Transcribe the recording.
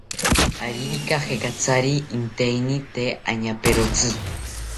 Aririka jekatzari inteini tee añaperotzi